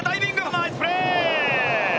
ナイスプレー！